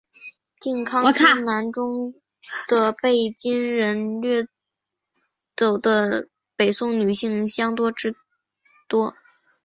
靖康之难中的被金人掠走的北宋女性相当之多。